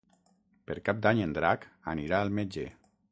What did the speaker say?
Per Cap d'Any en Drac anirà al metge.